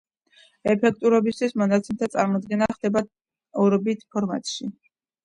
ეფექტურობისთვის მონაცემთა წარმოდგენა ხდება ორობით ფორმატში.